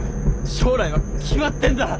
将来は決まってんだ。